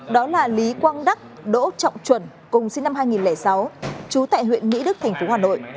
đó là lý quang đắc đỗ trọng chuẩn cùng sinh năm hai nghìn sáu chú tại huyện mỹ đức thành phố hà nội